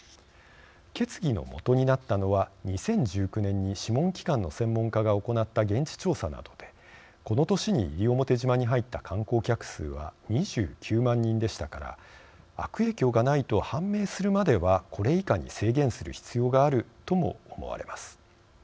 決議のもとになったのは２０１９年に諮問機関の専門家が行った現地調査などでこの年に西表島に入った観光客数は２９万人でしたから悪影響がないと判明するまではこれ以下に制限する必要があるとも思われます。